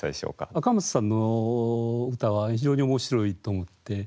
赤松さんの歌は非常に面白いと思って。